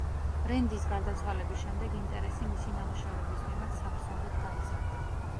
რენდის გარდაცვალების შემდეგ, ინტერესი მისი ნამუშევრების მიმართ საგრძნობლად გაიზარდა.